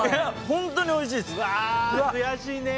本当においしいです。